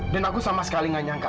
dan aku sama sekali gak nyangka